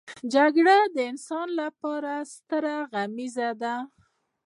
جګړه د انسان لپاره ستره غميزه ده